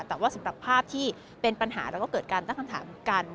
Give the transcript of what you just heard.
แต่ว่าสำหรับภาพที่เป็นปัญหาแล้วก็เกิดการตั้งคำถามกัน